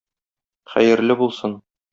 Хәерле булсын!